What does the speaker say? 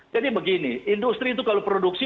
jadi begini industri itu kalau produksi